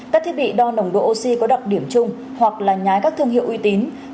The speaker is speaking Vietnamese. các thiết bị đo nồng độ oxy có đặc điểm chung hoặc là nhái các thương hiệu uy tín